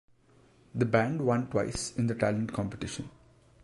The band won twice in the talent competition.